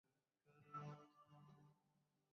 শোনো, যা খুশি করো।